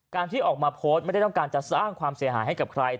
ที่ออกมาโพสต์ไม่ได้ต้องการจะสร้างความเสียหายให้กับใคร